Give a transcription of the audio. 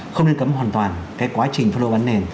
không nên cấm hoàn toàn cái quá trình phân lô bán nền